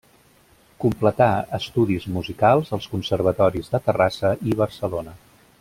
Completà estudis musicals als Conservatoris de Terrassa i Barcelona.